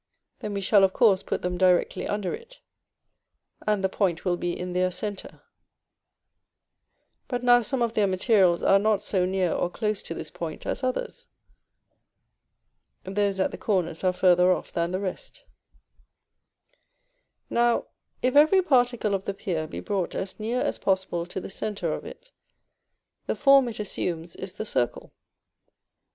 Then we shall of course put them directly under it, and the point will be in their centre. But now some of their materials are not so near or close to this point as others. Those at the corners are farther off than the rest. Now, if every particle of the pier be brought as near as possible to the centre of it, the form it assumes is the circle.